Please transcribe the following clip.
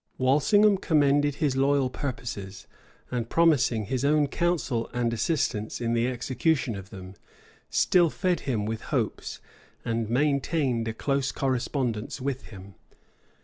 Walsingham commended his loyal purposes; and promising his own counsel and assistance in the execution of them, still fed him with hopes, and maintained a close correspondence with him.